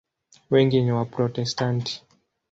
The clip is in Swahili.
Wengi ni Waprotestanti.